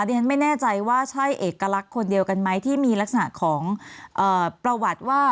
ฉันไม่แน่ใจว่าใช่เอกลักษณ์คนเดียวกันไหมที่มีลักษณะของประวัติว่า